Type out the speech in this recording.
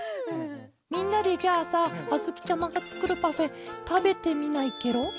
みんなでじゃあさあづきちゃまがつくるパフェたべてみないケロ？